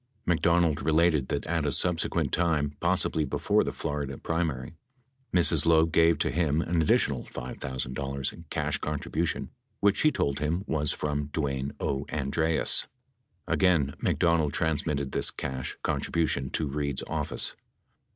McDonald related that at a subsequent time, possibly 'before the Florida primary, Mi's. Loeb gave to him an addi tional $5,000 cash contribution which she told him was from Dwayne O. Andreas. Again McDonald transmitted this cash contribution to Reid's office.